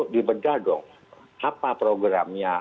dibenda dong apa programnya